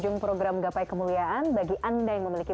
saya mbak diar maundudiri